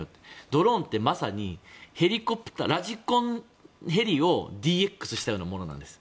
ドローンってまさにラジコンヘリをＤＸしたようなものなんです。